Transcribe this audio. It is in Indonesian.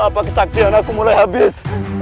apa kesaktian aku mulai habis